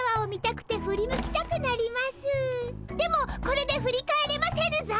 でもこれで振り返れませぬぞ！